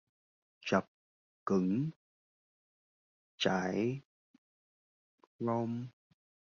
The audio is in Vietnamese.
Chập chững chạy rông